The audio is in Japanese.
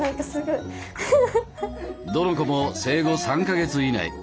どの子も生後３か月以内。